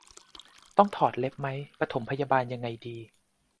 ต้องถอดเล็บไหม ปฐมพยาบาลยังไงดี